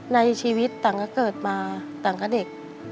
ในชีวิตต่างก็เกิดมาต่างก็เด็ก